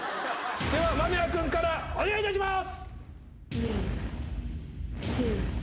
では間宮君からお願いいたします。